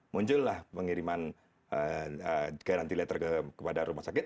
muncul lah pengiriman garanti lenter kepada rumah sakit